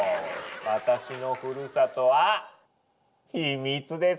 私のふるさとは秘密です！